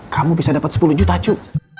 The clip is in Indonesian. kamu bisa dapat sepuluh juta acu